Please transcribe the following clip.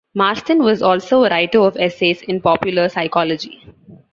Marston was also a writer of essays in popular psychology.